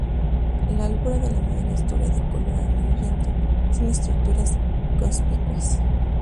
La albura de la madera es dura de color amarillento sin estructuras conspicuas.